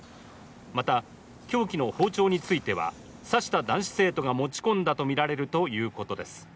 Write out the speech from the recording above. また、凶器の包丁については、刺した男子生徒が持ち込んだとみられるということです。